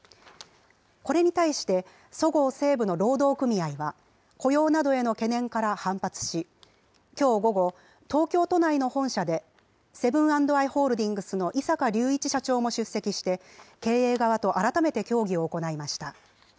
これに対して、そごう・西武の労働組合は、雇用などへの懸念から反発し、きょう午後、東京都内の本社で、セブン＆アイ・ホールディングスの井阪隆一社長も出席して、経営側と改めて協議を行いました。